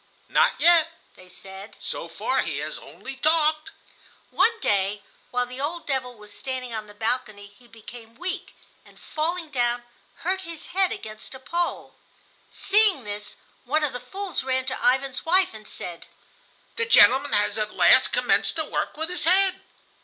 "Not yet," they said; "so far he has only talked." One day, while the old devil was standing on the balcony, he became weak, and, falling down, hurt his head against a pole. Seeing this, one of the fools ran to Ivan's wife and said, "The gentleman has at last commenced to work with his head."